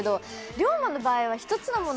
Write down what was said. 諒真の場合は１つのもの